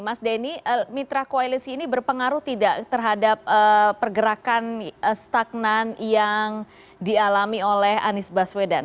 mas denny mitra koalisi ini berpengaruh tidak terhadap pergerakan stagnan yang dialami oleh anies baswedan